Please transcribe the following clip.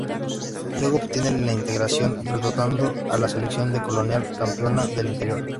Luego obtiene el Integración derrotando a la Selección de Colonia, campeona del Interior.